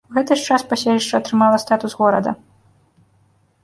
У гэты ж час паселішча атрымала статус горада.